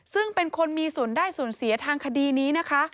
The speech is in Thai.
ซึ่งเป็นคนมีส่วนได้ส่วนเสียทางคดีนี้นะคะ